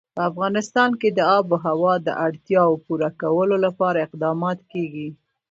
په افغانستان کې د آب وهوا د اړتیاوو پوره کولو لپاره اقدامات کېږي.